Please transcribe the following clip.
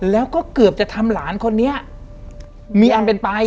แล้วก็เกือบจะทำหลานคนนี้มีอันเป็นไป